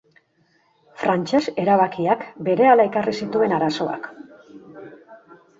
Frantses erabakiak berehala ekarri zituen arazoak.